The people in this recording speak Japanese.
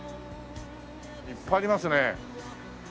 いっぱいありますね。